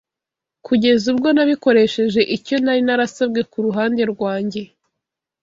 kugeza ubwo nabikoresheje icyo nari narasabwe ku ruhande rwanjye.